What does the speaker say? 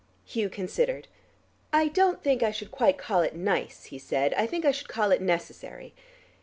Hugh considered. "I don't think I should quite call it nice," he said. "I think I should call it necessary.